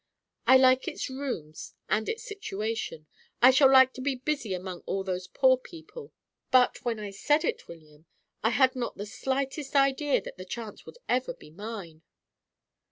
I like its rooms and its situation; I shall like to be busy among all those poor old people, but, when I said it, William, I had not the slightest idea that the chance would ever be mine."